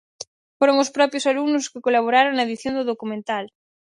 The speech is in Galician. Foron os propios alumnos os que colaboraron na edición do documental.